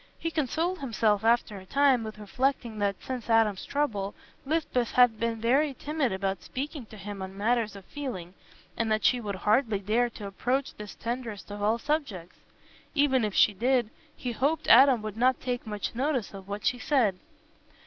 He consoled himself after a time with reflecting that, since Adam's trouble, Lisbeth had been very timid about speaking to him on matters of feeling, and that she would hardly dare to approach this tenderest of all subjects. Even if she did, he hoped Adam would not take much notice of what she said.